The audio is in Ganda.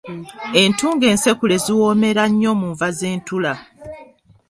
Entungo ensekule ziwoomera nnyo mu nva z’entula.